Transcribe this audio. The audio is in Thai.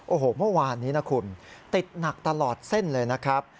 โอ้โหเมื่อวานนี้นะคุณติดหนักตลอดเส้นเลยนะครับ